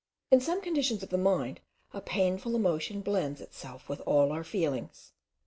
In some conditions of the mind, a painful emotion blends itself with all our feelings.